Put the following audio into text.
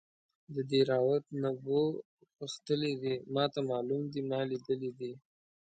د دیراوت نبو غښتلی دی ماته معلوم دی ما لیدلی دی.